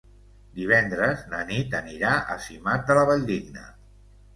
Divendres na Nit anirà a Simat de la Valldigna.